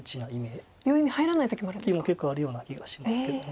結構あるような気がしますけど。